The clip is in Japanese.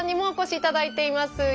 お越しいただいています。